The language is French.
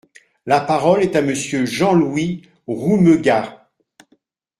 La parole est à Monsieur Jean-Louis Roumegas.